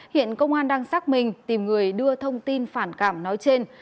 hiện công an đang xác minh tìm người đưa thông tin phản cảm nói trên